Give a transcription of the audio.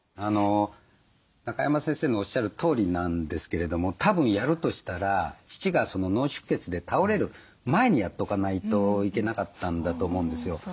中山先生のおっしゃるとおりなんですけれどもたぶんやるとしたら父が脳出血で倒れる前にやっとかないといけなかったんだと思うんですよ。